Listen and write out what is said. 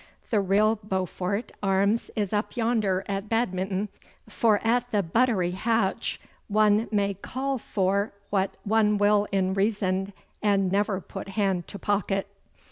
The real Beaufort Arms is up yonder at Badminton, for at the buttery hatch one may call for what one will in reason and never put hand to pocket.